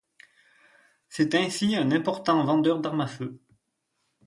C'est ainsi un important vendeur d'arme à feu.